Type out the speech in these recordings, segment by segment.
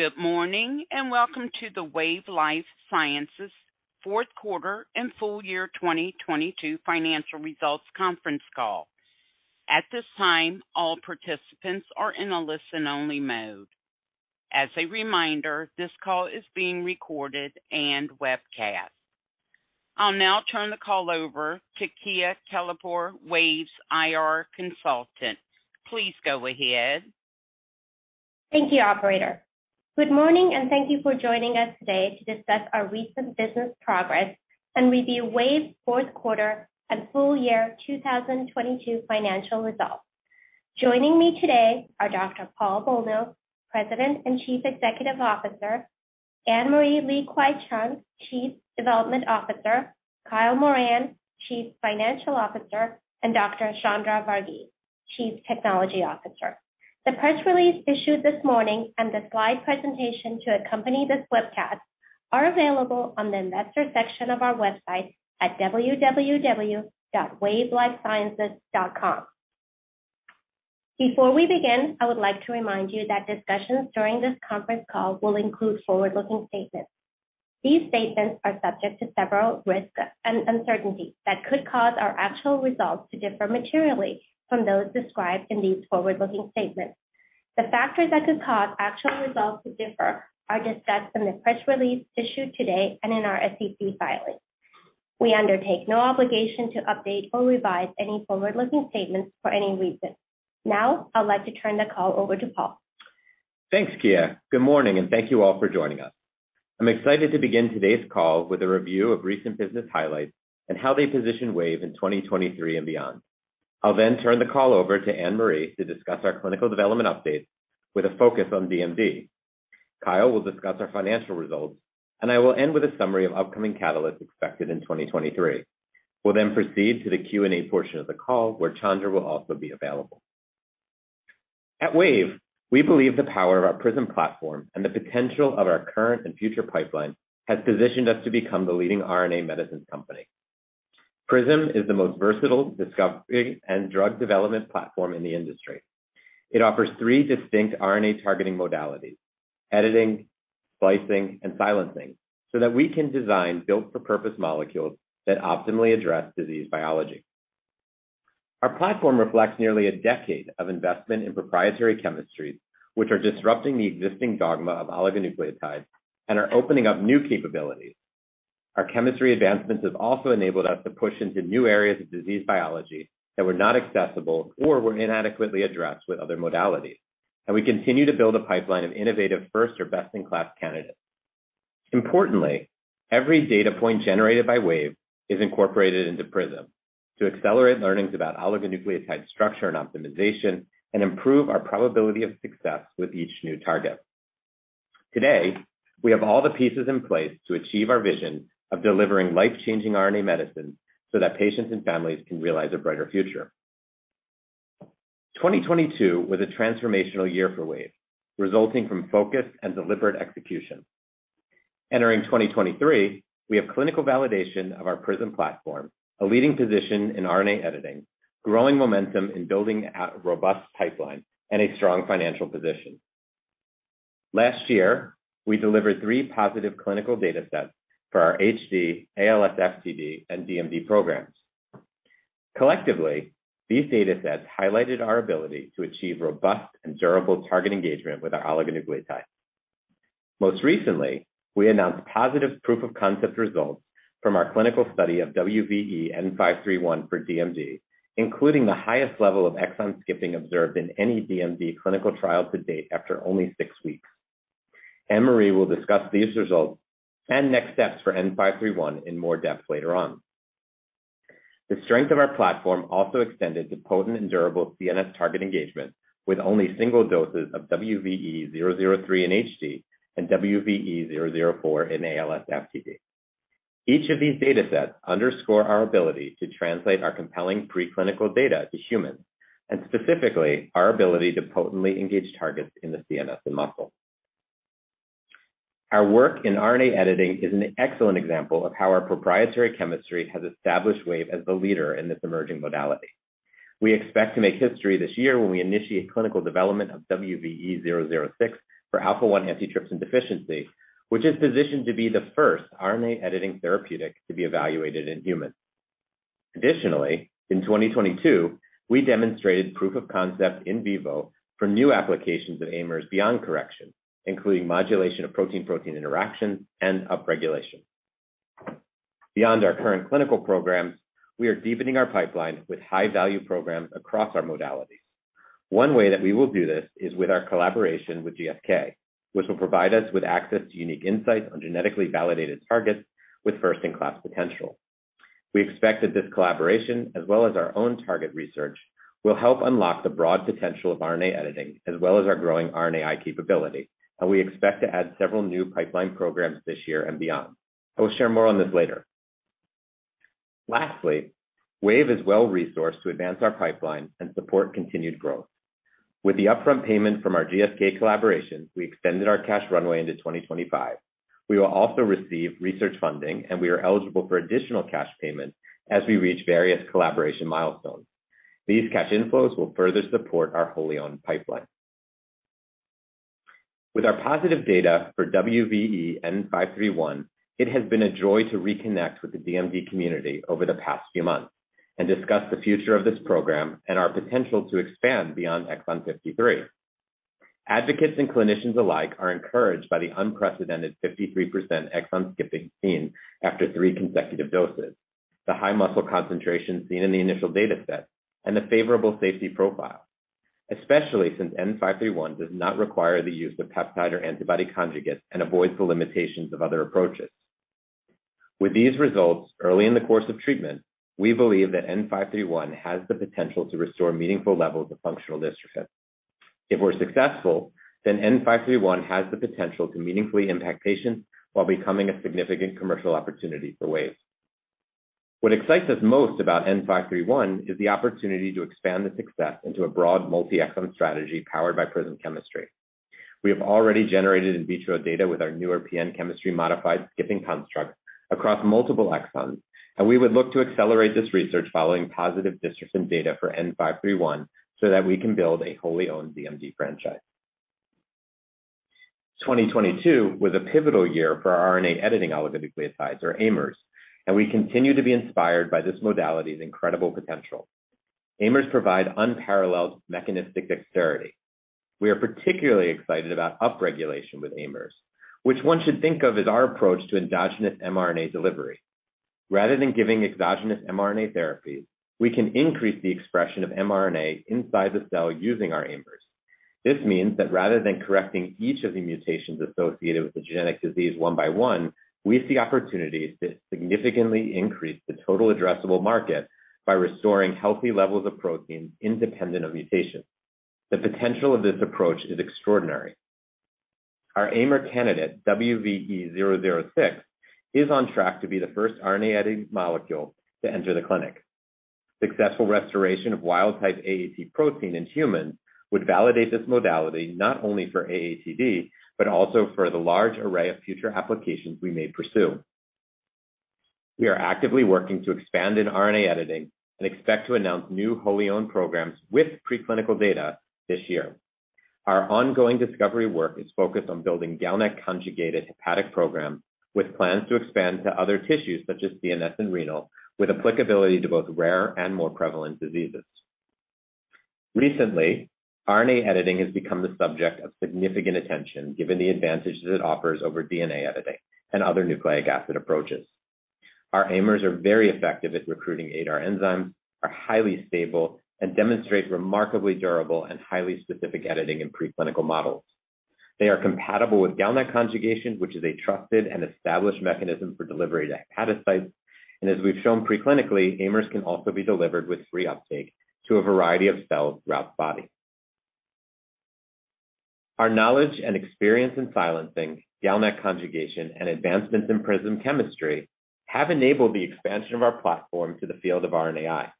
Good morning, and welcome to the Wave Life Sciences fourth quarter and full-year 2022 financial results conference call. At this time, all participants are in a listen-only mode. As a reminder, this call is being recorded and webcast. I'll now turn the call over to Kia Kalapur, Wave's IR consultant. Please go ahead. Thank you, operator. Good morning, thank you for joining us today to discuss our recent business progress and review Wave's fourth quarter and full-year 2022 financial results. Joining me today are Dr. Paul Bolno, President and Chief Executive Officer, Anne-Marie Li-Kwai-Cheong, Chief Development Officer, Kyle Moran, Chief Financial Officer, and Dr. Chandra Vargeyse, Chief Technology Officer. The press release issued this morning and the slide presentation to accompany this webcast are available on the investor section of our website at www.wavelifesciences.com. Before we begin, I would like to remind you that discussions during this conference call will include forward-looking statements. These statements are subject to several risks and uncertainties that could cause our actual results to differ materially from those described in these forward-looking statements. The factors that could cause actual results to differ are discussed in the press release issued today and in our SEC filings. We undertake no obligation to update or revise any forward-looking statements for any reason. Now I'd like to turn the call over to Paul. Thanks, Kia. Good morning, thank you all for joining us. I'm excited to begin today's call with a review of recent business highlights and how they position Wave in 2023 and beyond. I'll turn the call over to Anne-Marie to discuss our clinical development updates with a focus on DMD. Kyle will discuss our financial results. I will end with a summary of upcoming catalysts expected in 2023. We'll proceed to the Q&A portion of the call, where Chandra will also be available. At Wave, we believe the power of our PRISM platform and the potential of our current and future pipeline has positioned us to become the leading RNA medicine company. PRISM is the most versatile discovery and drug development platform in the industry. It offers three distinct RNA-targeting modalities, editing, splicing, and silencing, so that we can design built-for-purpose molecules that optimally address disease biology. Our platform reflects nearly a decade of investment in proprietary chemistries, which are disrupting the existing dogma of oligonucleotides and are opening up new capabilities. Our chemistry advancements have also enabled us to push into new areas of disease biology that were not accessible or were inadequately addressed with other modalities. We continue to build a pipeline of innovative first or best-in-class candidates. Importantly, every data point generated by Wave is incorporated into PRISM to accelerate learnings about oligonucleotide structure and optimization and improve our probability of success with each new target. Today, we have all the pieces in place to achieve our vision of delivering life-changing RNA medicines so that patients and families can realize a brighter future. 2022 was a transformational year for Wave, resulting from focused and deliberate execution. Entering 2023, we have clinical validation of our PRISM platform, a leading position in RNA editing, growing momentum in building a robust pipeline, and a strong financial position. Last year, we delivered three positive clinical data sets for our HD, ALS/FTD, and DMD programs. Collectively, these data sets highlighted our ability to achieve robust and durable target engagement with our oligonucleotides. Most recently, we announced positive proof-of-concept results from our clinical study of WVE-N531 for DMD, including the highest level of exon skipping observed in any DMD clinical trial to date after only six weeks. Anne-Marie will discuss these results and next steps for N531 in more depth later on. The strength of our platform also extended to potent and durable CNS target engagement with only single doses of WVE-003 in HD and WVE-004 in ALS/FTD. Each of these data sets underscore our ability to translate our compelling preclinical data to humans and specifically our ability to potently engage targets in the CNS and muscle. Our work in RNA editing is an excellent example of how our proprietary chemistry has established Wave as the leader in this emerging modality. We expect to make history this year when we initiate clinical development of WVE-006 for alpha-1 antitrypsin deficiency, which is positioned to be the first RNA-editing therapeutic to be evaluated in humans. In 2022, we demonstrated proof of concept in vivo for new applications of ADAR beyond correction, including modulation of protein-protein interactions and upregulation. Beyond our current clinical programs, we are deepening our pipeline with high-value programs across our modalities. One way that we will do this is with our collaboration with GSK, which will provide us with access to unique insights on genetically validated targets with first-in-class potential. We expect that this collaboration, as well as our own target research, will help unlock the broad potential of RNA editing as well as our growing RNAi capability, and we expect to add several new pipeline programs this year and beyond. I will share more on this later. Lastly, Wave is well-resourced to advance our pipeline and support continued growth. With the upfront payment from our GSK collaboration, we extended our cash runway into 2025. We will also receive research funding. We are eligible for additional cash payment as we reach various collaboration milestones. These cash inflows will further support our wholly-owned pipeline. With our positive data for WVE-N531, it has been a joy to reconnect with the DMD community over the past few months and discuss the future of this program and our potential to expand beyond exon 53. Advocates and clinicians alike are encouraged by the unprecedented 53% exon skipping seen after three consecutive doses, the high muscle concentration seen in the initial data set, and the favorable safety profile, especially since N531 does not require the use of peptide or antibody conjugates and avoids the limitations of other approaches. With these results early in the course of treatment, we believe that N531 has the potential to restore meaningful levels of functional dystrophin. If we're successful, N531 has the potential to meaningfully impact patients while becoming a significant commercial opportunity for Wave. What excites us most about N531 is the opportunity to expand the success into a broad multi-exon strategy powered by PRISM chemistry. We have already generated in vitro data with our newer PN chemistry modified skipping construct across multiple exons. We would look to accelerate this research following positive dystrophin data for N531 so that we can build a wholly-owned DMD franchise. 2022 was a pivotal year for our RNA-editing oligonucleotides or AMRs. We continue to be inspired by this modality's incredible potential. AMRs provide unparalleled mechanistic dexterity. We are particularly excited about upregulation with AMRs, which one should think of as our approach to endogenous mRNA delivery. Rather than giving exogenous mRNA therapy, we can increase the expression of mRNA inside the cell using our AMRs. This means that rather than correcting each of the mutations associated with the genetic disease one by one, we see opportunities to significantly increase the total addressable market by restoring healthy levels of protein independent of mutation. The potential of this approach is extraordinary. Our ADAR candidate, WVE-006, is on track to be the first RNA editing molecule to enter the clinic. Successful restoration of wild-type AAT protein in humans would validate this modality not only for AATD, but also for the large array of future applications we may pursue. We are actively working to expand in RNA editing and expect to announce new wholly-owned programs with preclinical data this year. Our ongoing discovery work is focused on building GalNAc conjugated hepatic program with plans to expand to other tissues such as CNS and renal, with applicability to both rare and more prevalent diseases. Recently, RNA editing has become the subject of significant attention given the advantages it offers over DNA editing and other nucleic acid approaches. Our AMRs are very effective at recruiting ADAR enzymes, are highly stable, and demonstrate remarkably durable and highly specific editing in preclinical models. They are compatible with GalNAc conjugation, which is a trusted and established mechanism for delivery to hepatocytes. As we've shown preclinically, AMRs can also be delivered with free uptake to a variety of cells throughout the body. Our knowledge and experience in silencing GalNAc conjugation and advancements in PRISM chemistry have enabled the expansion of our platform to the field of RNAi.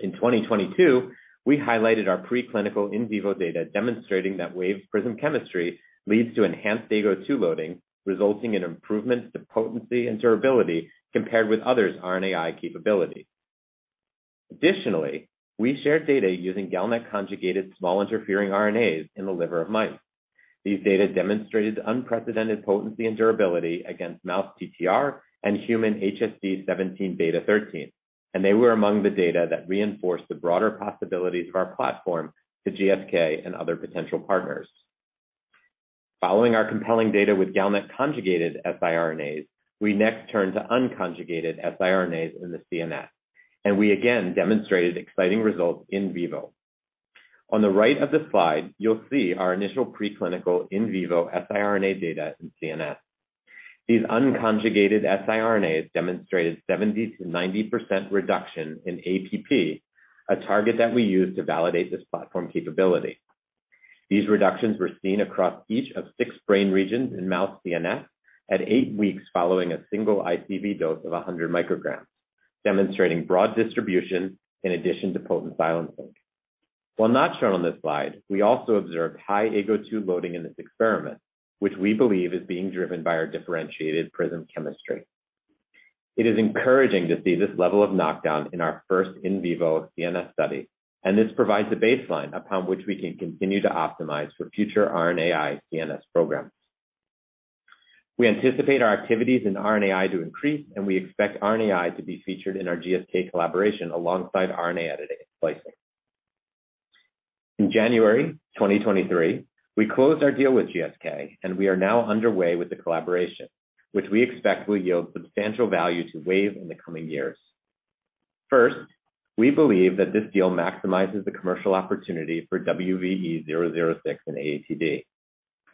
In 2022, we highlighted our preclinical in vivo data demonstrating that Wave's PRISM chemistry leads to enhanced AGO2 loading, resulting in improvements to potency and durability compared with others' RNAi capability. We shared data using GalNAc conjugated small interfering RNAs in the liver of mice. These data demonstrated unprecedented potency and durability against mouse TTR and human HSD17B13. They were among the data that reinforced the broader possibilities of our platform to GSK and other potential partners. Following our compelling data with GalNAc conjugated siRNAs, we next turn to unconjugated siRNAs in the CNS. We again demonstrated exciting results in vivo. On the right of the slide, you'll see our initial preclinical in vivo siRNA data in CNS. These unconjugated siRNAs demonstrated 70%-90% reduction in APP, a target that we use to validate this platform capability. These reductions were seen across each of six brain regions in mouse CNS at eight weeks following a single ICV dose of 100 micrograms, demonstrating broad distribution in addition to potent silencing. While not shown on this slide, we also observed high AGO2 loading in this experiment, which we believe is being driven by our differentiated PRISM chemistry. It is encouraging to see this level of knockdown in our first in vivo CNS study. This provides a baseline upon which we can continue to optimize for future RNAi CNS programs. We anticipate our activities in RNAi to increase. We expect RNAi to be featured in our GSK collaboration alongside RNA editing and splicing. In January 2023, we closed our deal with GSK. We are now underway with the collaboration, which we expect will yield substantial value to Wave in the coming years. First, we believe that this deal maximizes the commercial opportunity for WVE-006 in AATD.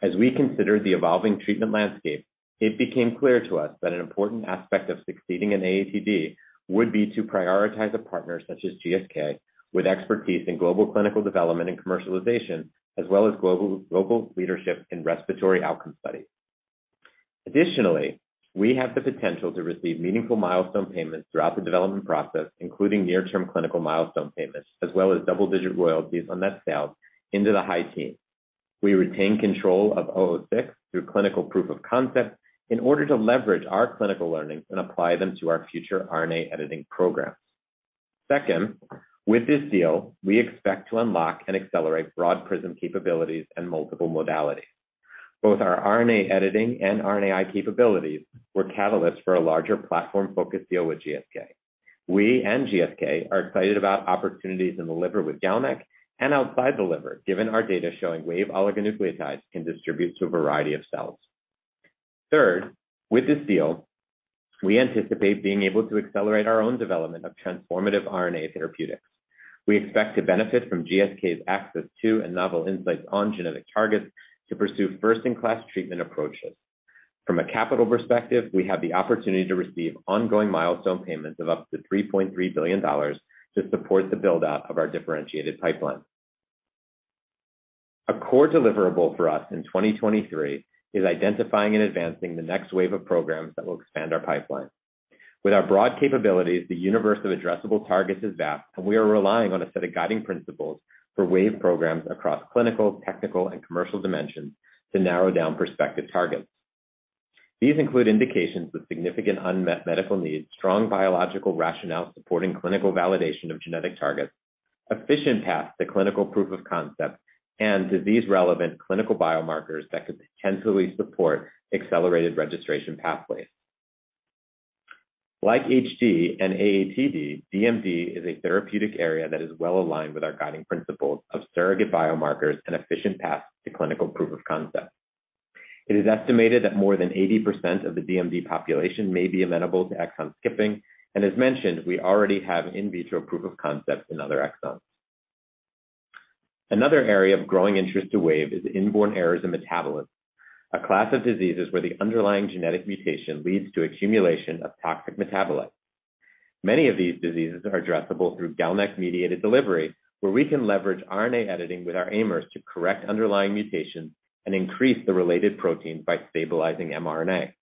As we consider the evolving treatment landscape, it became clear to us that an important aspect of succeeding in AATD would be to prioritize a partner such as GSK with expertise in global clinical development and commercialization, as well as global leadership in respiratory outcome studies. We have the potential to receive meaningful milestone payments throughout the development process, including near-term clinical milestone payments, as well as double-digit royalties on net sales into the high teens. We retain control of WVE-006 through clinical proof of concept in order to leverage our clinical learnings and apply them to our future RNA editing programs. With this deal, we expect to unlock and accelerate broad PRISM capabilities and multiple modalities. Both our RNA editing and RNAi capabilities were catalysts for a larger platform-focused deal with GSK. We and GSK are excited about opportunities in the liver with GalNAc and outside the liver, given our data showing Wave oligonucleotides can distribute to a variety of cells. Third, with this deal, we anticipate being able to accelerate our own development of transformative RNA therapeutics. We expect to benefit from GSK's access to and novel insights on genetic targets to pursue first-in-class treatment approaches. From a capital perspective, we have the opportunity to receive ongoing milestone payments of up to $3.3 billion to support the build-out of our differentiated pipeline. A core deliverable for us in 2023 is identifying and advancing the next wave of programs that will expand our pipeline. With our broad capabilities, the universe of addressable targets is vast, and we are relying on a set of guiding principles for Wave programs across clinical, technical, and commercial dimensions to narrow down prospective targets. These include indications with significant unmet medical needs, strong biological rationale supporting clinical validation of genetic targets, efficient paths to clinical proof of concept, and disease-relevant clinical biomarkers that could potentially support accelerated registration pathways. Like HD and AATD, DMD is a therapeutic area that is well aligned with our guiding principles of surrogate biomarkers and efficient paths to clinical proof of concept. It is estimated that more than 80% of the DMD population may be amenable to exon skipping, and as mentioned, we already have in vitro proof of concept in other exons. Another area of growing interest to Wave is inborn errors of metabolism, a class of diseases where the underlying genetic mutation leads to accumulation of toxic metabolites. Many of these diseases are addressable through GalNAc-mediated delivery, where we can leverage RNA editing with our AMRs to correct underlying mutations and increase the related protein by stabilizing mRNA.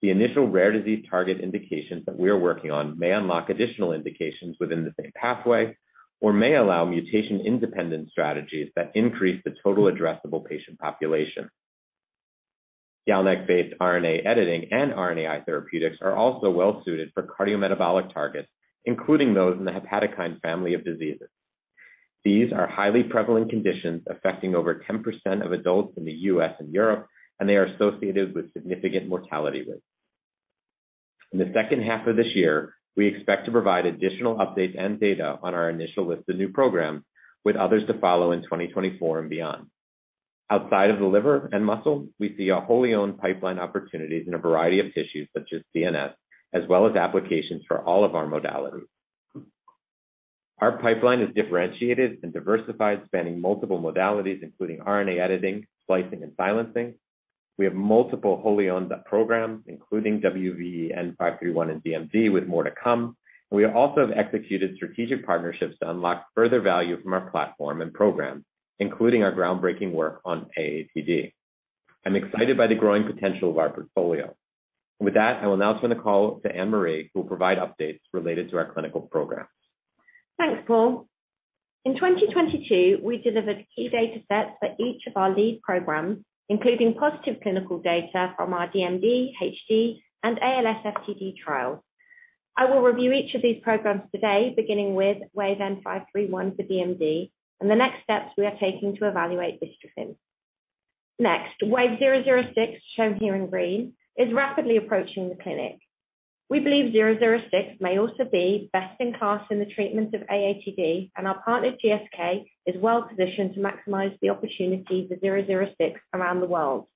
The initial rare disease target indications that we are working on may unlock additional indications within the same pathway or may allow mutation-independent strategies that increase the total addressable patient population. GalNAc-based RNA editing and RNAi therapeutics are also well suited for cardiometabolic targets, including those in the hepatokine family of diseases. These are highly prevalent conditions affecting over 10% of adults in the U.S. and Europe, they are associated with significant mortality rates. In the second half of this year, we expect to provide additional updates and data on our initial list of new programs, with others to follow in 2024 and beyond. Outside of the liver and muscle, we see our wholly owned pipeline opportunities in a variety of tissues such as CNS, as well as applications for all of our modalities. Our pipeline is differentiated and diversified, spanning multiple modalities, including RNA editing, splicing, and silencing. We have multiple wholly owned programs, including WVE-N531, and DMD, with more to come. We also have executed strategic partnerships to unlock further value from our platform and programs, including our groundbreaking work on AATD. I'm excited by the growing potential of our portfolio. With that, I will now turn the call to Anne-Marie, who will provide updates related to our clinical programs. Thanks, Paul. In 2022, we delivered key data sets for each of our lead programs, including positive clinical data from our DMD, HD, and ALS, FTD trials. I will review each of these programs today, beginning with WVE-N531 for DMD and the next steps we are taking to evaluate dystrophin. Next, WVE-006, shown here in green, is rapidly approaching the clinic. We believe WVE-006 may also be best in class in the treatment of AATD, and our partner, GSK, is well-positioned to maximize the opportunity for WVE-006 around the world.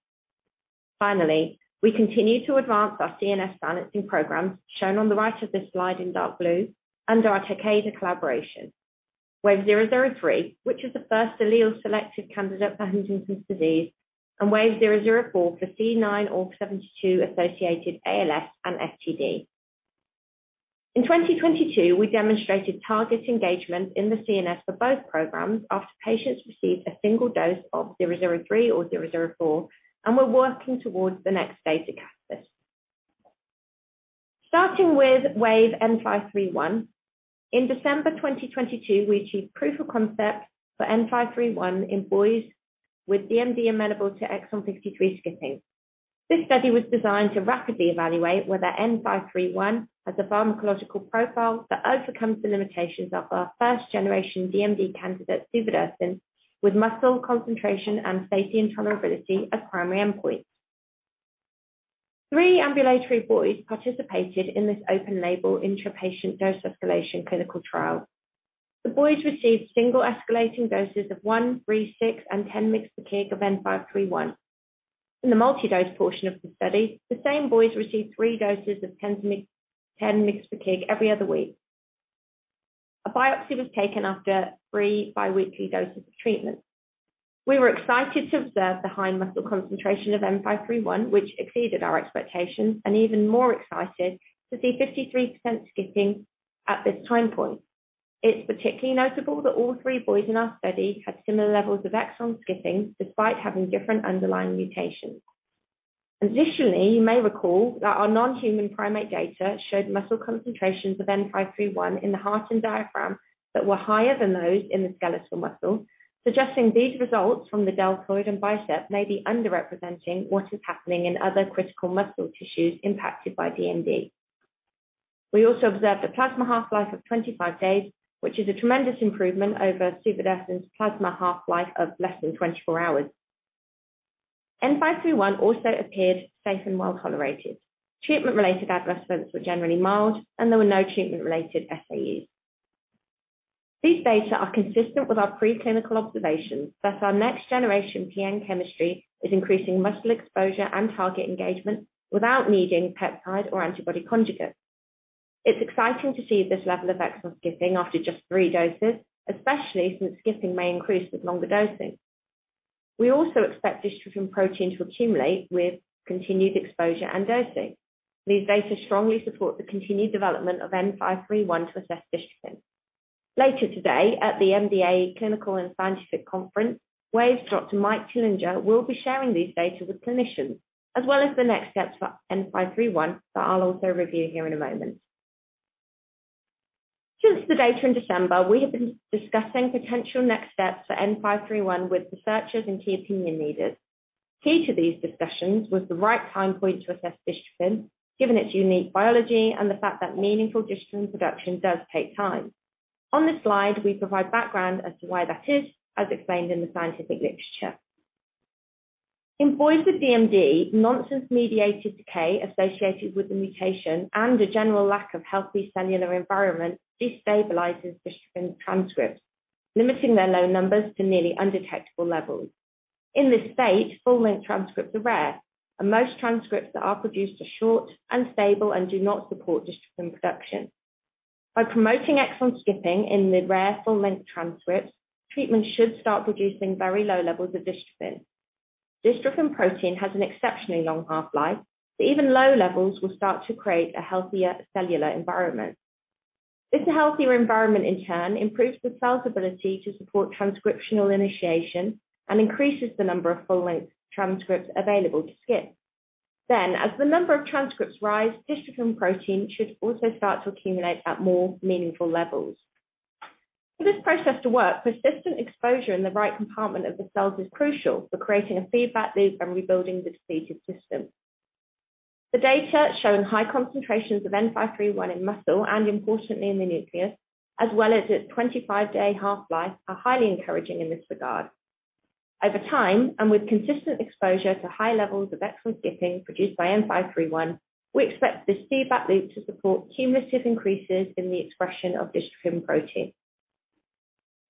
We continue to advance our CNS silencing programs, shown on the right of this slide in dark blue, under our Takeda collaboration. WVE-003, which is the first allele-selected candidate for Huntington's disease, and WVE-004 for C9orf72-associated ALS and FTD. In 2022, we demonstrated target engagement in the CNS for both programs after patients received a single dose of 003 or 004, and we're working towards the next data cast. Starting with WVE-N531. In December 2022, we achieved proof of concept for N531 in boys with DMD amenable to exon 53 skipping. This study was designed to rapidly evaluate whether N531 has a pharmacological profile that overcomes the limitations of our first-generation DMD candidate, suvodirsen, with muscle concentration and safety intolerability as primary endpoints. Three ambulatory boys participated in this open-label intra-patient dose-escalation clinical trial. The boys received single escalating doses of 1, 3, 6, and 10 mg/kg of WVE-N531. In the multi-dose portion of the study, the same boys received three doses of 10 mg/kg every other week. A biopsy was taken after three biweekly doses of treatment. We were excited to observe the high muscle concentration of WVE-N531, which exceeded our expectations, and even more excited to see 53% skipping at this time point. It's particularly notable that all three boys in our study had similar levels of exon skipping despite having different underlying mutations. Additionally, you may recall that our non-human primate data showed muscle concentrations of WVE-N531 in the heart and diaphragm that were higher than those in the skeletal muscle, suggesting these results from the deltoid and biceps may be underrepresenting what is happening in other critical muscle tissues impacted by DMD. We also observed a plasma half-life of 25 days, which is a tremendous improvement over suvodirsen's plasma half-life of less than 24 hours. WVE-N531 also appeared safe and well-tolerated. Treatment-related adverse events were generally mild, and there were no treatment-related SAEs. These data are consistent with our preclinical observations that our next-generation PN chemistry is increasing muscle exposure and target engagement without needing peptide or antibody conjugates. It's exciting to see this level of exon skipping after just three doses, especially since skipping may increase with longer dosing. We also expect dystrophin protein to accumulate with continued exposure and dosing. These data strongly support the continued development of WVE-N531 to assess dystrophin. Later today at the MDA Clinical and Scientific Conference, Wave's Dr. Mike Tillinger will be sharing these data with clinicians as well as the next steps for WVE-N531 that I'll also review here in a moment. Since the data in December, we have been discussing potential next steps for WVE-N531 with researchers and key opinion leaders. Key to these discussions was the right time point to assess dystrophin, given its unique biology and the fact that meaningful dystrophin production does take time. On this slide, we provide background as to why that is, as explained in the scientific literature. In boys with DMD, nonsense-mediated decay associated with the mutation and a general lack of healthy cellular environment destabilizes dystrophin transcripts, limiting their low numbers to nearly undetectable levels. In this state, full-length transcripts are rare, and most transcripts that are produced are short, unstable, and do not support dystrophin production. By promoting exon skipping in the rare full-length transcripts, treatment should start producing very low levels of dystrophin. Dystrophin protein has an exceptionally long half-life, so even low levels will start to create a healthier cellular environment. This healthier environment, in turn, improves the cell's ability to support transcriptional initiation and increases the number of full-length transcripts available to skip. As the number of transcripts rise, dystrophin protein should also start to accumulate at more meaningful levels. For this process to work, persistent exposure in the right compartment of the cells is crucial for creating a feedback loop and rebuilding this depleted system. The data showing high concentrations of WVE-N531 in muscle, and importantly in the nucleus, as well as its 25-day half-life, are highly encouraging in this regard. Over time, and with consistent exposure to high levels of exon skipping produced by WVE-N531, we expect this feedback loop to support cumulative increases in the expression of dystrophin protein.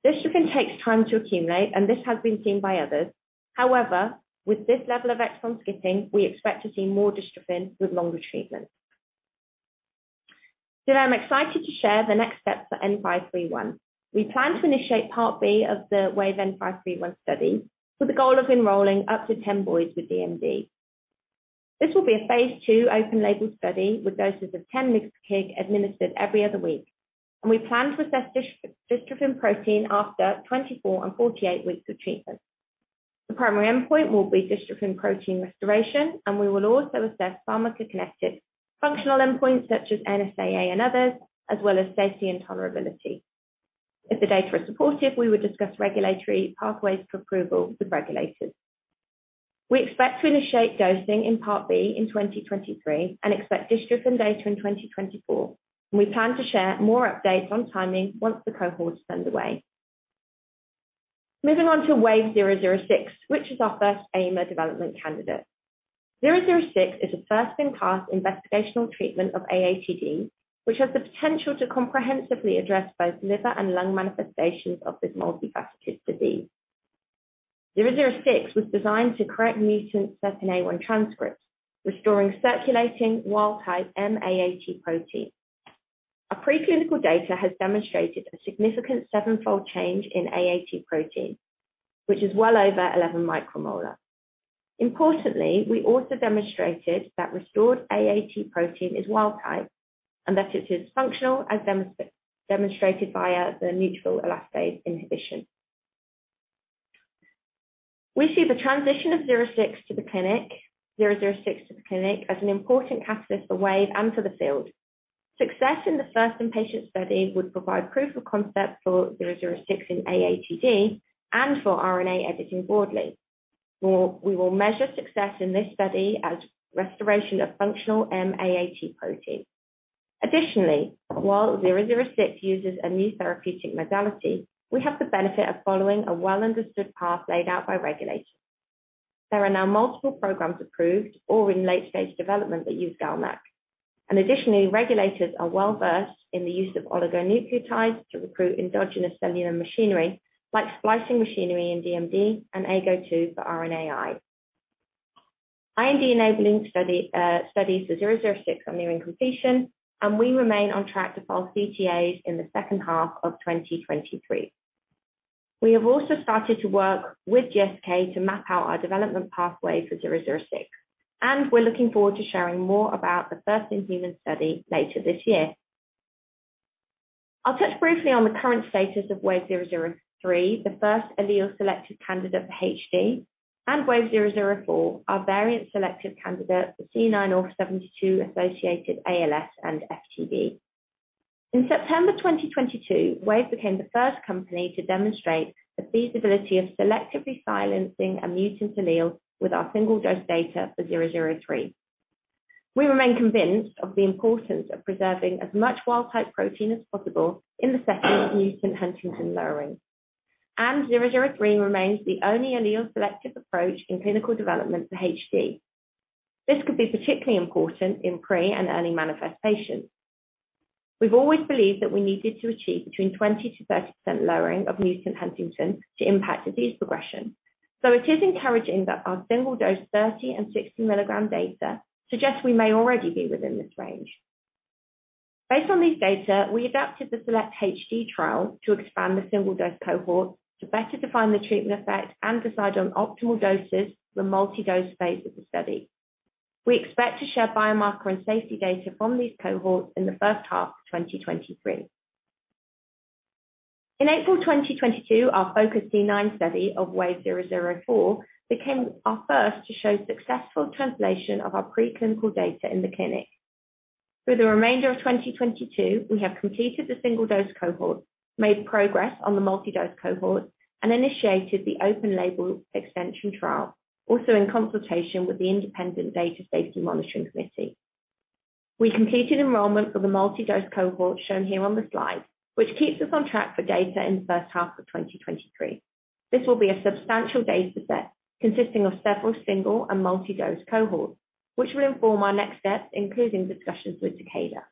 Dystrophin takes time to accumulate, and this has been seen by others. However, with this level of exon skipping, we expect to see more dystrophin with longer treatment. Today, I'm excited to share the next steps for WVE-N531. We plan to initiate Part B of the Wave WVE-N531 study with the goal of enrolling up to 10 boys with DMD. This will be a phase II open label study with doses of 10 mg/kg administered every other week. We plan to assess dystrophin protein after 24 and 48 weeks of treatment. The primary endpoint will be dystrophin protein restoration, and we will also assess pharmacokinetic functional endpoints such as NSAA and others, as well as safety and tolerability. If the data is supportive, we will discuss regulatory pathways to approval with regulators. We expect to initiate dosing in Part B in 2023 and expect dystrophin data in 2024. We plan to share more updates on timing once the cohort is underway. Moving on to Wave 006, which is our first ADAR development candidate. 006 is a first-in-class investigational treatment of AATD, which has the potential to comprehensively address both liver and lung manifestations of this multifaceted disease. 006 was designed to correct mutant SERPINA1 transcripts, restoring circulating wild-type M-AAT protein. Our preclinical data has demonstrated a significant seven-fold change in AAT protein, which is well over 11 micromolar. Importantly, we also demonstrated that restored AAT protein is wild-type and that it is functional as demonstrated via the neutrophil elastase inhibition. We see the transition of 006 to the clinic as an important catalyst for Wave and for the field. Success in the first patient study would provide proof of concept for 006 in AATD and for RNA editing broadly. We will measure success in this study as restoration of functional M-AAT protein. Additionally, while 006 uses a new therapeutic modality, we have the benefit of following a well-understood path laid out by regulators. There are now multiple programs approved or in late-stage development that use GalNAc. Additionally, regulators are well-versed in the use of oligonucleotides to recruit endogenous cellular machinery like splicing machinery in DMD and AGO2 for RNAi. IND-enabling studies for WVE-006 are nearing completion, and we remain on track to file CTAs in the second half of 2023. We have also started to work with GSK to map out our development pathway for WVE-006, and we're looking forward to sharing more about the first-in-human study later this year. I'll touch briefly on the current status of WVE-003, the first allele-selective candidate for HD, and WVE-004, our variant-selective candidate for C9orf72-associated ALS and FTD. In September 2022, Wave became the first company to demonstrate the feasibility of selectively silencing a mutant allele with our single-dose data for WVE-003. We remain convinced of the importance of preserving as much wild-type protein as possible in the setting of mutant huntingtin lowering. WVE-003 remains the only allele-selective approach in clinical development for HD. This could be particularly important in pre- and early manifestations. We've always believed that we needed to achieve between 20%-30% lowering of mutant huntingtin to impact disease progression. It is encouraging that our single-dose 30 and 60-milligram data suggests we may already be within this range. Based on these data, we adapted the SELECT-HD trial to expand the single-dose cohort to better define the treatment effect and decide on optimal doses for the multi-dose phase of the study. We expect to share biomarker and safety data from these cohorts in the first half of 2023. In April 2022, our FOCUS-C9 study of WVE-004 became our first to show successful translation of our preclinical data in the clinic. For the remainder of 2022, we have completed the single-dose cohort, made progress on the multi-dose cohort, and initiated the open-label extension trial, also in consultation with the independent Data Safety Monitoring Committee. We completed enrollment for the multi-dose cohort shown here on the slide, which keeps us on track for data in the first half of 2023. This will be a substantial data set consisting of several single and multi-dose cohorts, which will inform our next steps, including discussions with Takeda.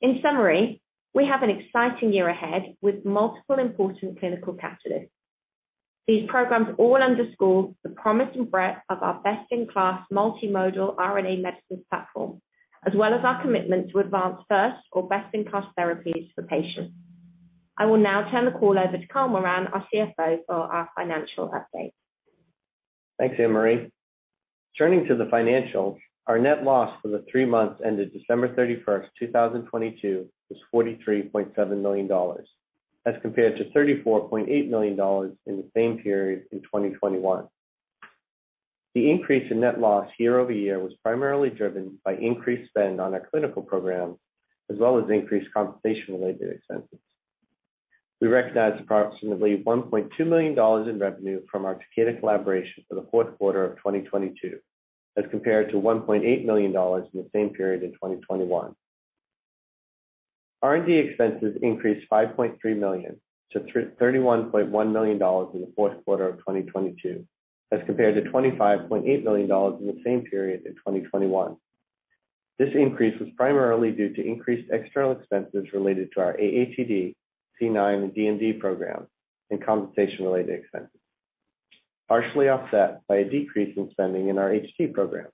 In summary, we have an exciting year ahead with multiple important clinical catalysts. These programs all underscore the promise and breadth of our best-in-class multimodal RNA medicines platform, as well as our commitment to advance first or best-in-class therapies for patients. I will now turn the call over to Kyle Moran, our CFO, for our financial update. Thanks, Anne-Marie. Turning to the financials, our net loss for the three months ended December 31, 2022 was $43.7 million, as compared to $34.8 million in the same period in 2021. The increase in net loss year-over-year was primarily driven by increased spend on our clinical programs, as well as increased compensation-related expenses. We recognized approximately $1.2 million in revenue from our Takeda collaboration for the fourth quarter of 2022, as compared to $1.8 million in the same period in 2021. R&D expenses increased $5.3-31.1 million in the fourth quarter of 2022, as compared to $25.8 million in the same period in 2021. This increase was primarily due to increased external expenses related to our AATD, C9 and DMD program and compensation-related expenses, partially offset by a decrease in spending in our HD program.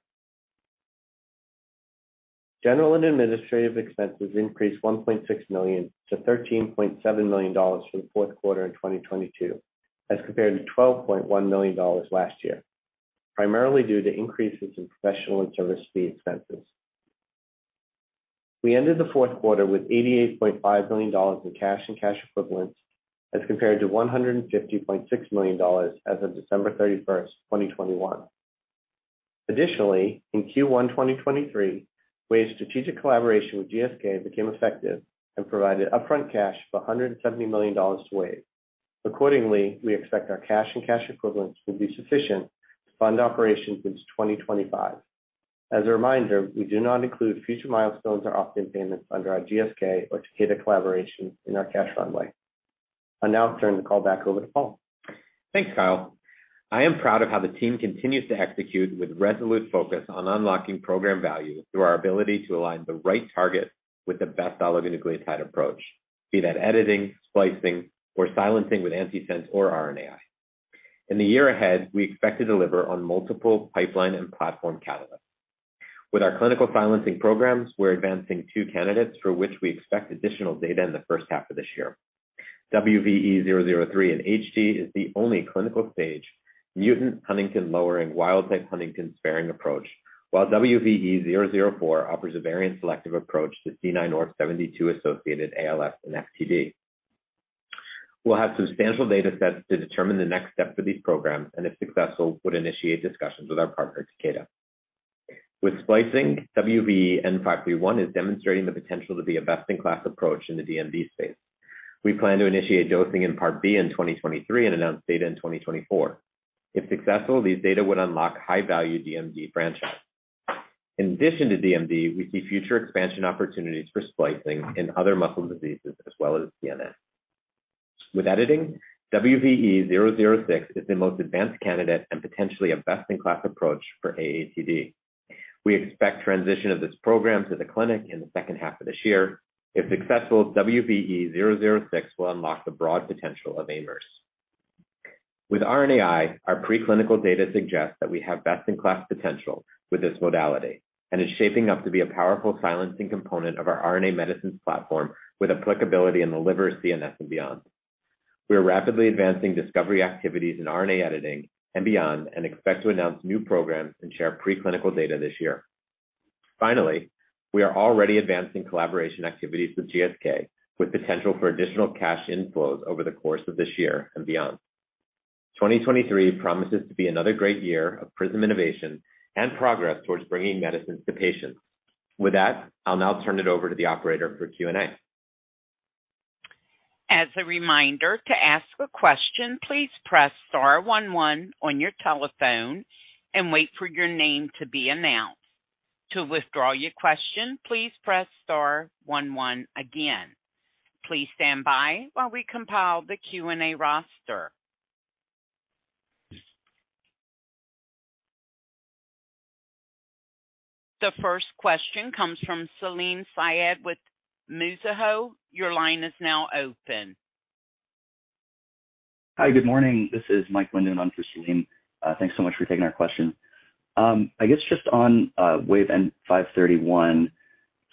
General and administrative expenses increased $1.6-13.7 million for the fourth quarter 2022, as compared to $12.1 million last year, primarily due to increases in professional and service fee expenses. We ended the fourth quarter with $88.5 million in cash and cash equivalents as compared to $150.6 million as of December 31, 2021. Additionally, in Q1 2023, Wave's strategic collaboration with GSK became effective and provided upfront cash of $170 million to Wave. Accordingly, we expect our cash and cash equivalents will be sufficient to fund operations into 2025. As a reminder, we do not include future milestones or upfront payments under our GSK or Takeda collaboration in our cash runway. I'll now turn the call back over to Paul. Thanks, Kyle. I am proud of how the team continues to execute with resolute focus on unlocking program value through our ability to align the right target with the best oligonucleotide approach, be that editing, splicing or silencing with antisense or RNAi. In the year ahead, we expect to deliver on multiple pipeline and platform catalysts. With our clinical silencing programs, we're advancing two candidates for which we expect additional data in the first half of this year. WVE-003 in HD is the only clinical-stage mutant huntingtin lowering, wild type huntingtin-sparing approach, while WVE-004 offers a variant-selective approach to C9orf72-associated ALS and FTD. We'll have substantial data sets to determine the next step for these programs, and if successful, would initiate discussions with our partner, Takeda. With splicing, WVE-N531 is demonstrating the potential to be a best-in-class approach in the DMD space. We plan to initiate dosing in Part B in 2023 and announce data in 2024. If successful, these data would unlock high-value DMD franchise. In addition to DMD, we see future expansion opportunities for splicing in other muscle diseases as well as CNS. With editing, WVE-006 is the most advanced candidate and potentially a best-in-class approach for AATD. We expect transition of this program to the clinic in the second half of this year. If successful, WVE-006 will unlock the broad potential of AMRS. With RNAi, our preclinical data suggests that we have best-in-class potential with this modality and is shaping up to be a powerful silencing component of our RNA medicines platform with applicability in the liver, CNS, and beyond. We are rapidly advancing discovery activities in RNA editing and beyond, expect to announce new programs and share preclinical data this year. Finally, we are already advancing collaboration activities with GSK, with potential for additional cash inflows over the course of this year and beyond. 2023 promises to be another great year of PRISM innovation and progress towards bringing medicines to patients. With that, I'll now turn it over to the operator for Q&A. As a reminder, to ask a question, please press star one one on your telephone and wait for your name to be announced. To withdraw your question, please press star one one again. Please stand by while we compile the Q&A roster. The first question comes from Salim Syed with Mizuho. Your line is now open. Hi. Good morning. This is Michael Linden on for Salim. Thanks so much for taking our question. I guess just on WVE-N531.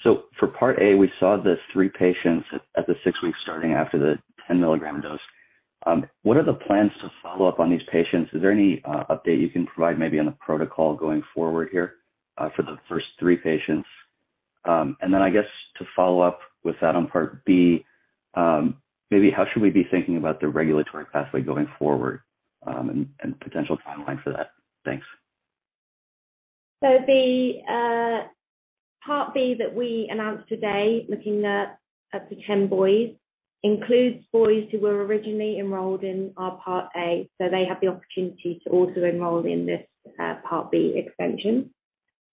For part A, we saw the three patients at the six weeks starting after the 10-milligram dose. What are the plans to follow up on these patients? Is there any update you can provide maybe on the protocol going forward here, for the first three patients? I guess to follow up with that on part B, maybe how should we be thinking about the regulatory pathway going forward, and potential timeline for that? Thanks. The Part B that we announced today, looking at the 10 boys, includes boys who were originally enrolled in our Part A, so they have the opportunity to also enroll in this Part B expansion.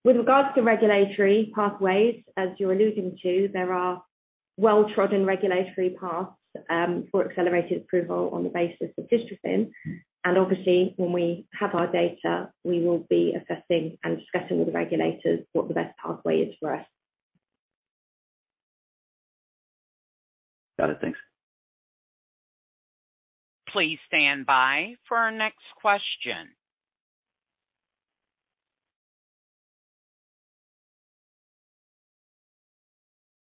With regards to regulatory pathways, as you're alluding to, there are well-trodden regulatory paths for accelerated approval on the basis of dystrophin. Obviously, when we have our data, we will be assessing and discussing with the regulators what the best pathway is for us. Got it. Thanks. Please stand by for our next question.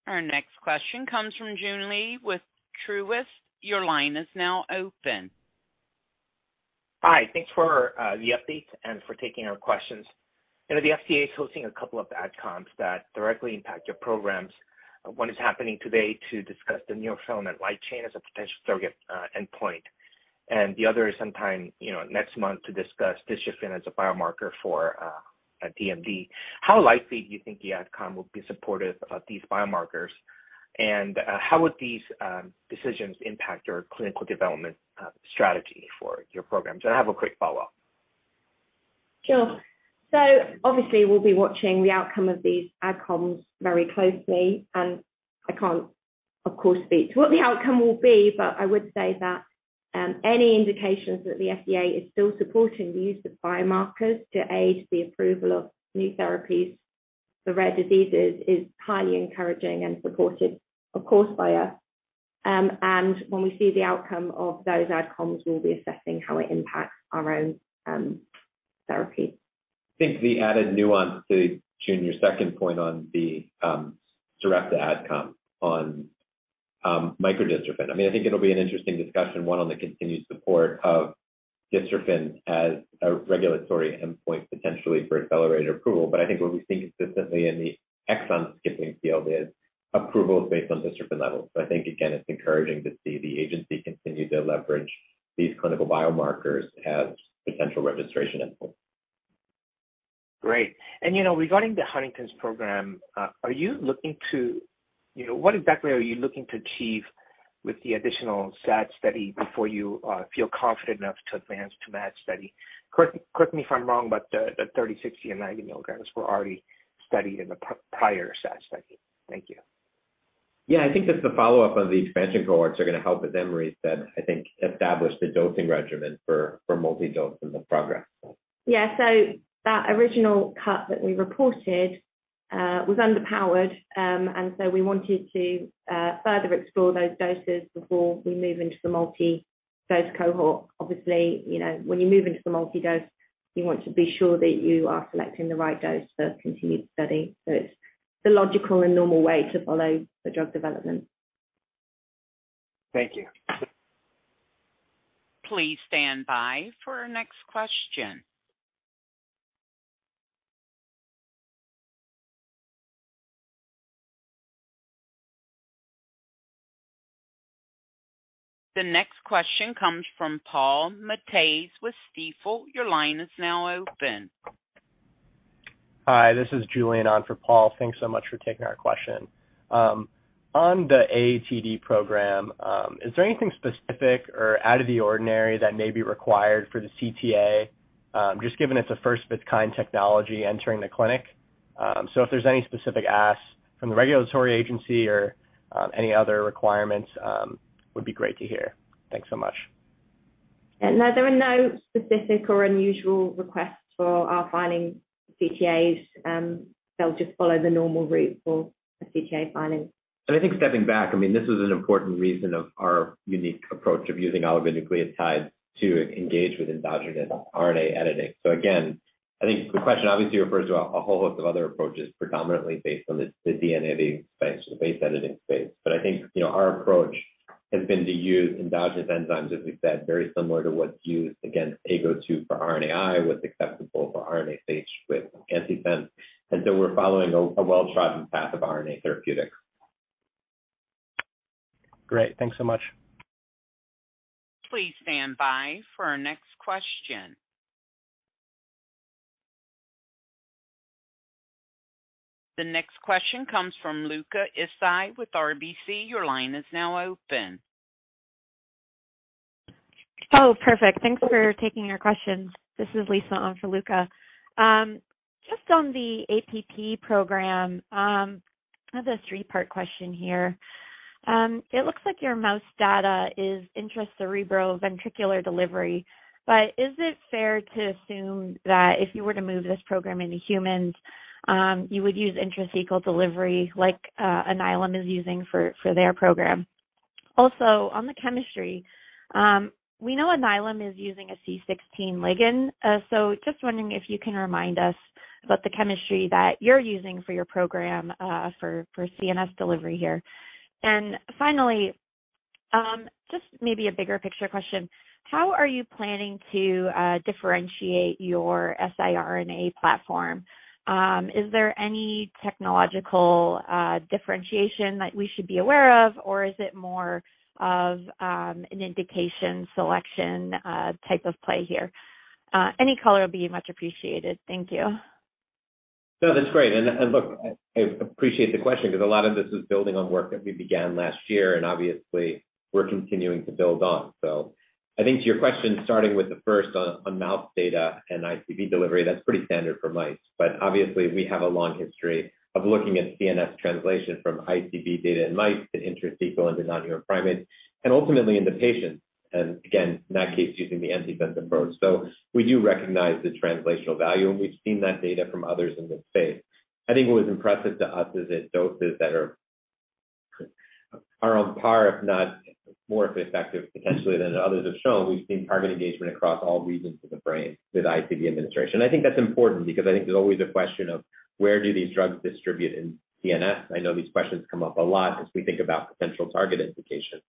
Our next question comes from Joon Lee with Truist. Your line is now open. Hi. Thanks for the update and for taking our questions. You know, the FDA is hosting a couple of AdComs that directly impact your programs. One is happening today to discuss the neurofilament light chain as a potential target endpoint. The other is sometime, you know, next month to discuss dystrophin as a biomarker for DMD. How likely do you think the AdCom will be supportive of these biomarkers? How would these decisions impact your clinical development strategy for your programs? I have a quick follow-up. Sure. Obviously, we'll be watching the outcome of these AdComs very closely, and I can't, of course, speak to what the outcome will be, but I would say that any indications that the FDA is still supporting the use of biomarkers to aid the approval of new therapies for rare diseases is highly encouraging and supported, of course, by us. When we see the outcome of those AdComs, we'll be assessing how it impacts our own therapy. I think the added nuance to, June, your second point on the direct AdCom on microdystrophin. I mean, I think it'll be an interesting discussion, one on the continued support of dystrophin as a regulatory endpoint potentially for accelerated approval. I think what we've seen consistently in the exon-skipping field is approvals based on dystrophin levels. I think, again, it's encouraging to see the agency continue to leverage these clinical biomarkers as potential registration inputs. Great. You know, regarding the Huntington's program, are you looking to... You know, what exactly are you looking to achieve with the additional SAD study before you feel confident enough to advance to MAD study? Correct me if I'm wrong, but the 30, 60, and 90 milligrams were already studied in the prior SAD study. Thank you. Yeah. I think just the follow-up on the expansion cohorts are gonna help with Anne-Marie I think establish the dosing regimen for multi-dose in the program. Yeah. That original cut that we reported, was underpowered. We wanted to further explore those doses before we move into the multi-dose cohort. Obviously, you know, when you move into the multi-dose, you want to be sure that you are selecting the right dose for continued study. It's the logical and normal way to follow the drug development. Thank you. Please stand by for our next question. The next question comes from Paul Matteis with Stifel. Your line is now open. Hi, this is Julian on for Paul. Thanks so much for taking our question. On the AATD program, is there anything specific or out of the ordinary that may be required for the CTA, just given it's a first-of-its-kind technology entering the clinic? If there's any specific asks from the regulatory agency or any other requirements, would be great to hear. Thanks so much. No. There are no specific or unusual requests for our filing CTAs. They'll just follow the normal route for the CTA findings. I think stepping back, I mean, this is an important reason of our unique approach of using oligonucleotides to engage with endogenous RNA editing. Again, I think the question obviously refers to a whole host of other approaches, predominantly based on the DNA space, the base editing space. I think, you know, our approach has been to use endogenous enzymes, as we've said, very similar to what's used against AGO2 for RNAi, was acceptable for RNase H with antisense. We're following a well-trodden path of RNA therapeutics. Great. Thanks so much. Please stand by for our next question. The next question comes from Luca Issi with RBC. Your line is now open. Perfect. Thanks for taking our questions. This is Lisa on for Luca. Just on the APP program, I have a three-part question here. It looks like your mouse data is intracerebroventricular delivery, but is it fair to assume that if you were to move this program into humans, you would use intrathecal delivery like Alnylam is using for their program? On the chemistry, we know Alnylam is using a C16 ligand. Just wondering if you can remind us about the chemistry that you're using for your program, for CNS delivery here. Finally, just maybe a bigger picture question. How are you planning to differentiate your siRNA platform? Is there any technological differentiation that we should be aware of, or is it more of an indication selection type of play here? Any color will be much appreciated. Thank you. No, that's great. Look, I appreciate the question 'cause a lot of this is building on work that we began last year, and obviously we're continuing to build on. I think to your question, starting with the first on mouse data and ICV delivery, that's pretty standard for mice. Obviously we have a long history of looking at CNS translation from ICV data in mice to intrathecal into non-human primates and ultimately into patients. Again, in that case, using the antisense approach. We do recognize the translational value, and we've seen that data from others in this space. I think what was impressive to us is at doses that are on par, if not more effective potentially than others have shown. We've seen target engagement across all regions of the brain with ICV administration. I think that's important because I think there's always a question of where do these drugs distribute in CNS. I know these questions come up a lot as we think about potential target indications.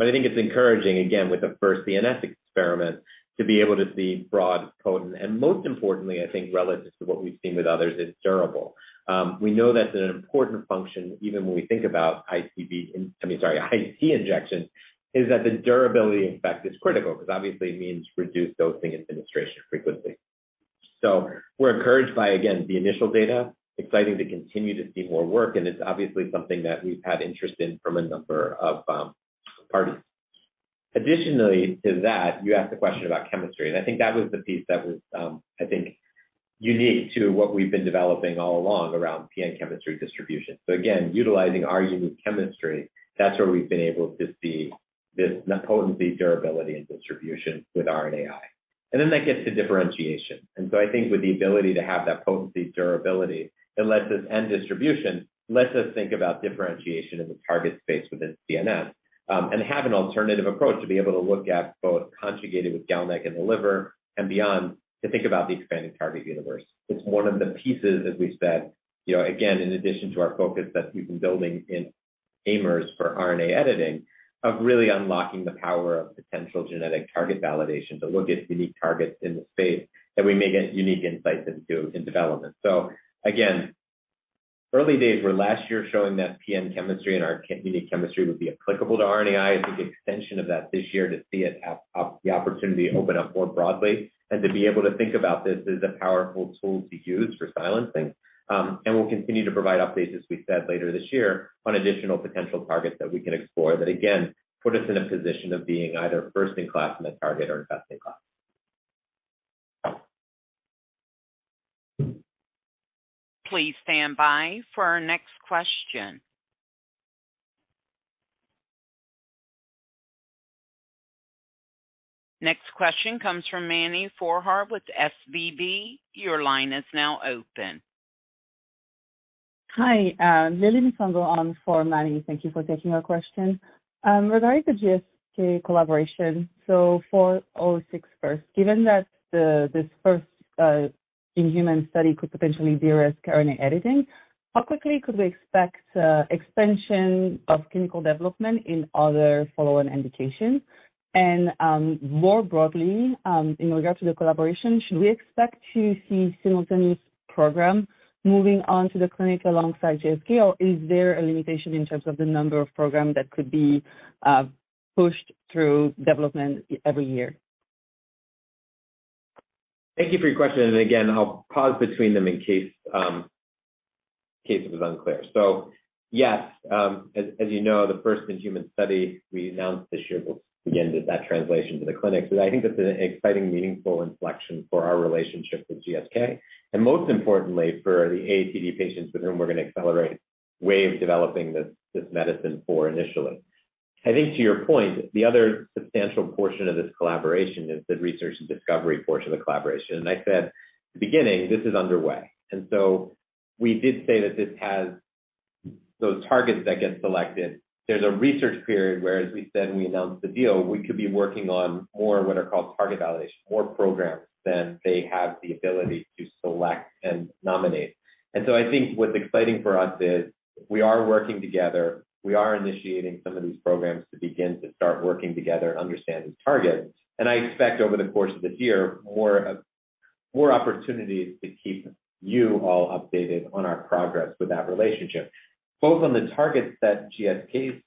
I think it's encouraging, again, with the first CNS experiment to be able to see broad potent, and most importantly, I think relative to what we've seen with others, it's durable. We know that's an important function, even when we think about ICV, I mean, sorry, IC injection, is that the durability effect is critical 'cause obviously it means reduced dosing administration frequency. We're encouraged by, again, the initial data, exciting to continue to see more work, and it's obviously something that we've had interest in from a number of parties. Additionally to that, you asked a question about chemistry, and I think that was the piece that was, I think unique to what we've been developing all along around PN chemistry distribution. Again, utilizing our unique chemistry, that's where we've been able to see this, the potency, durability and distribution with RNAi. That gets to differentiation. I think with the ability to have that potency, durability, it lets us end distribution, lets us think about differentiation in the target space within CNS, and have an alternative approach to be able to look at both conjugated with GalNAc in the liver and beyond to think about the expanding target universe. It's one of the pieces, as we've said, you know, again, in addition to our focus that we've been building in ADAR for RNA editing, of really unlocking the power of potential genetic target validation to look at unique targets in the space that we may get unique insights into in development. Again, early days were last year showing that PN chemistry and our unique chemistry would be applicable to RNAi. I think the extension of that this year to see it have the opportunity open up more broadly and to be able to think about this as a powerful tool to use for silencing. We'll continue to provide updates, as we said, later this year on additional potential targets that we can explore that again, put us in a position of being either first in class in a target or best in class. Please stand by for our next question. Next question comes from Mani Foroohar with SVB Securities. Your line is now open. Hi. Lily Misango on for Mani. Thank you for taking our question. Regarding the GSK collaboration, so 406 first. Given that this first in-human study could potentially de-risk RNA editing, how quickly could we expect expansion of clinical development in other follow-on indications? More broadly, in regard to the collaboration, should we expect to see simultaneous program moving on to the clinic alongside GSK, or is there a limitation in terms of the number of program that could be pushed through development every year? Thank you for your question. Again, I'll pause between them in case case it was unclear. Yes, as you know, the first in human study we announced this year will begin with that translation to the clinic. I think that's an exciting, meaningful inflection for our relationship with GSK and most importantly, for the AATD patients with whom we're going to accelerate way of developing this medicine for initially. I think to your point, the other substantial portion of this collaboration is the research and discovery portion of the collaboration. I said at the beginning, this is underway. We did say that this has those targets that get selected. There's a research period where, as we said when we announced the deal, we could be working on more what are called target validation, more programs than they have the ability to select and nominate. I think what's exciting for us is we are working together. We are initiating some of these programs to begin to start working together and understand the targets. I expect over the course of the year, more opportunities to keep you all updated on our progress with that relationship, both on the targets that GSK is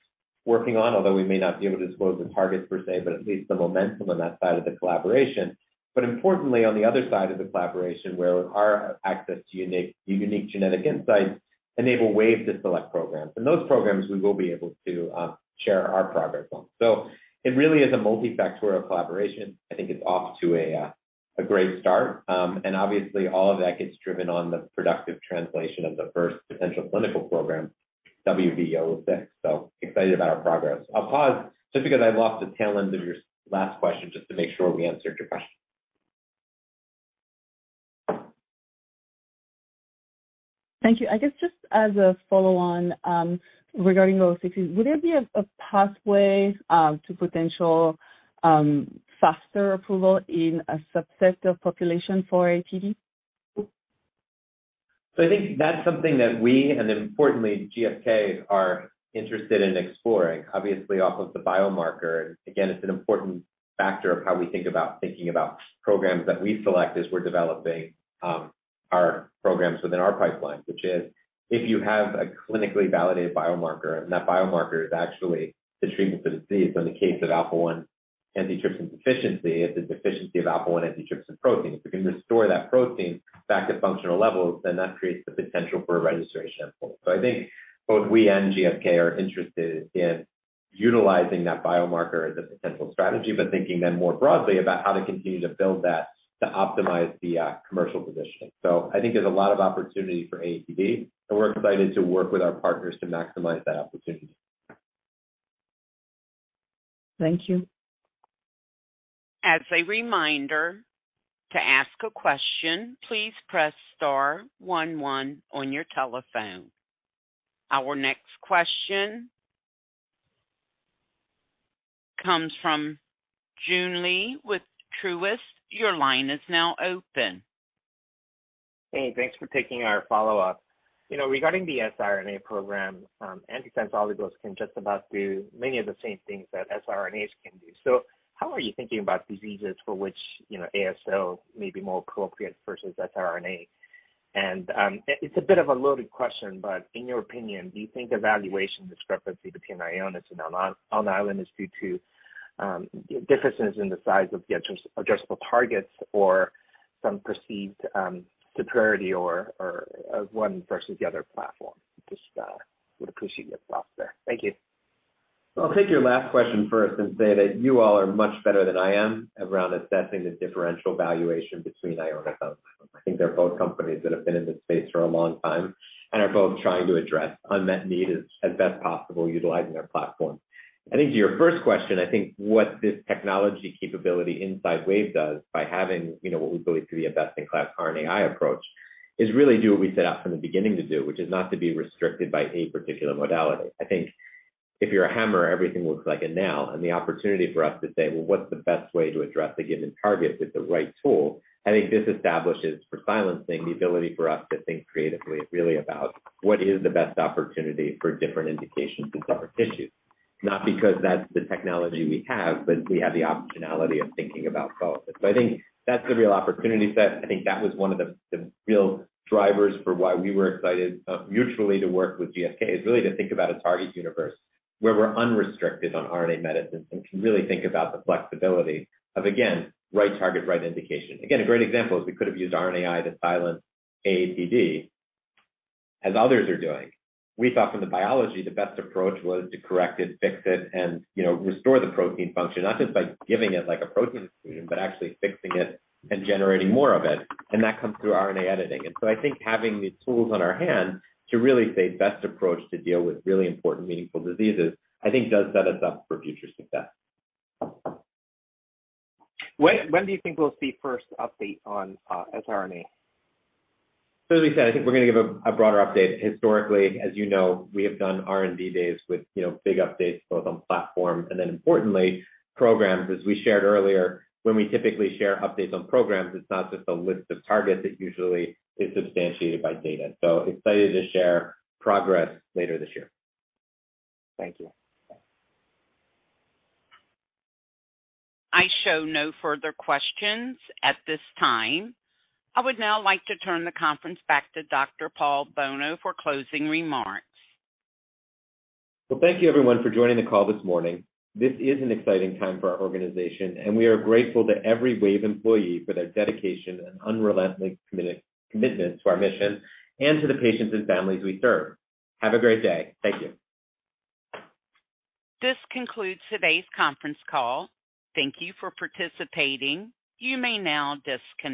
working on, although we may not be able to disclose the targets per se, but at least the momentum on that side of the collaboration. Importantly, on the other side of the collaboration where our access to unique genetic insights enable Wave to select programs. Those programs we will be able to share our progress on. It really is a multifactorial collaboration. I think it's off to a great start. Obviously all of that gets driven on the productive translation of the first potential clinical program, WVE-006. Excited about our progress. I'll pause just because I lost the tail end of your last question just to make sure we answered your question. Thank you. I guess just as a follow on, regarding O six, would there be a pathway to potential faster approval in a subset of population for AATD? I think that's something that we and importantly GSK are interested in exploring. Obviously off of the biomarker, and again, it's an important factor of how we think about thinking about programs that we select as we're developing our programs within our pipeline. Which is if you have a clinically validated biomarker and that biomarker is actually the treatment for disease in the case of alpha one antitrypsin deficiency is a deficiency of alpha one antitrypsin protein. If you can restore that protein back to functional levels, then that creates the potential for a registration. I think both we and GSK are interested in utilizing that biomarker as a potential strategy, but thinking then more broadly about how to continue to build that to optimize the commercial positioning. I think there's a lot of opportunity for AATD, and we're excited to work with our partners to maximize that opportunity. Thank you. As a reminder, to ask a question, please press star one one on your telephone. Our next question comes from Joon Lee with Truist. Your line is now open. Hey, thanks for taking our follow-up. You know, regarding the siRNA program, antisense oligos can just about do many of the same things that siRNAs can do. How are you thinking about diseases for which, you know, ASO may be more appropriate versus siRNA? It's a bit of a loaded question, but in your opinion, do you think the valuation discrepancy between Ionis and Alnylam is due to differences in the size of the adjustable targets or some perceived superiority or one versus the other platform? Just would appreciate your thoughts there. Thank you. I'll take your last question first and say that you all are much better than I am around assessing the differential valuation between Ionis. I think they're both companies that have been in this space for a long time and are both trying to address unmet need as best possible, utilizing their platforms. I think to your first question, I think what this technology capability inside Wave does by having, you know, what we believe to be a best in class RNAi approach is really do what we set out from the beginning to do, which is not to be restricted by a particular modality. I think if you're a hammer, everything looks like a nail. The opportunity for us to say, well, what's the best way to address a given target with the right tool? I think this establishes for silencing the ability for us to think creatively really about what is the best opportunity for different indications in separate tissues. Not because that's the technology we have, but we have the optionality of thinking about both. I think that's the real opportunity set. I think that was one of the real drivers for why we were excited mutually to work with GSK, is really to think about a target universe where we're unrestricted on RNA medicines and can really think about the flexibility of, again, right target, right indication. Again, a great example is we could have used RNAi to silence AATD as others are doing. We thought from the biology the best approach was to correct it, fix it, and, you know, restore the protein function, not just by giving it like a protein exclusion, but actually fixing it and generating more of it. That comes through RNA editing. I think having these tools on our hand to really say best approach to deal with really important, meaningful diseases, I think does set us up for future success. When do you think we'll see first update on siRNA? As we said, I think we're going to give a broader update. Historically, as you know, we have done R&D days with, you know, big updates both on platform and then importantly programs. We shared earlier, when we typically share updates on programs, it's not just a list of targets. It usually is substantiated by data. Excited to share progress later this year. Thank you. I show no further questions at this time. I would now like to turn the conference back to Dr. Paul Bolno for closing remarks. Well, thank you everyone for joining the call this morning. This is an exciting time for our organization, and we are grateful to every Wave employee for their dedication and unrelenting commitment to our mission and to the patients and families we serve. Have a great day. Thank you. This concludes today's conference call. Thank you for participating. You may now disconnect.